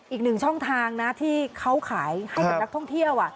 อีกหนึ่งช่องทางนะที่เขาขายให้กับนักท่องเที่ยว